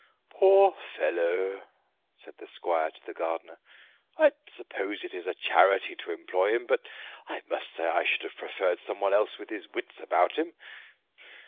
"Poor fellow," said the squire to the gardener. "I suppose it is a charity to employ him, but I must say I should have preferred someone else with his wits about him.